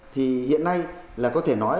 thì hiện nay là có thể nói